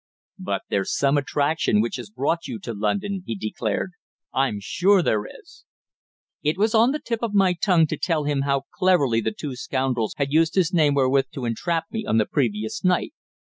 "But there's some attraction which has brought you to London," he declared. "I'm sure there is!" It was on the tip of my tongue to tell him how cleverly the two scoundrels had used his name wherewith to entrap me on the previous night.